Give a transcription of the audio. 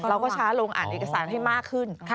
เราก็ช้าลงอ่านเอกสารให้มากขึ้น